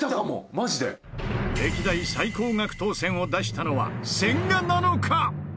歴代最高額当せんを出したのは千賀なのか？